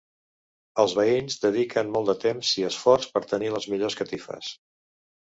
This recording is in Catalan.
Els veïns dediquen molt de temps i esforç per tenir les millors catifes.